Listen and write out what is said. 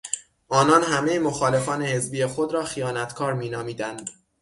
آنان همه مخالفان حزبی خود را خیانتکار مینامیدند.